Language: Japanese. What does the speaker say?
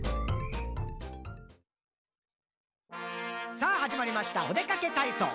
「さぁはじまりましたおでかけたいそう！」